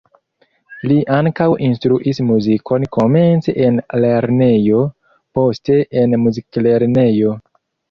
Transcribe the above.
Li ankaŭ instruis muzikon komence en lernejo, poste en muziklernejo.